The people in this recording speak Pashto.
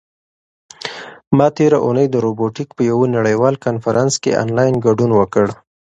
ما تېره اونۍ د روبوټیک په یوه نړیوال کنفرانس کې آنلاین ګډون وکړ.